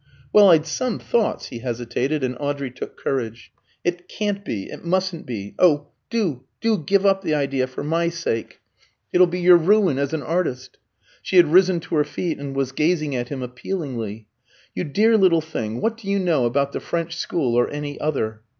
"Well, I'd some thoughts " he hesitated, and Audrey took courage. "It can't be it mustn't be! Oh, do, do give up the idea for my sake! It'll be your ruin as an artist." She had risen to her feet, and was gazing at him appealingly. "You dear little thing, what do you know about the French school or any other?"